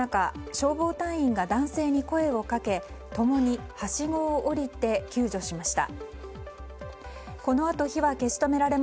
消防隊員が男性に声をかけ共にはしごを下りて救助しました。